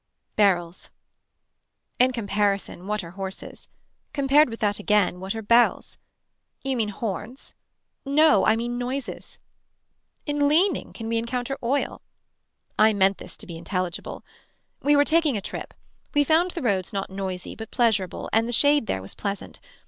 Barrels. In comparison what are horses. Compared with that again what are bells. You mean horns. No I mean noises. In leaning can we encounter oil. I meant this to be intelligible. We were taking a trip. We found the roads not noisy but pleasurable and the shade there was pleasant.